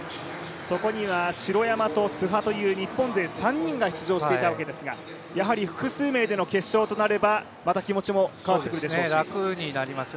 そこには城山と津波という日本勢３人が出場していたわけですがやはり複数名での決勝となれば気持ちも変わってきます。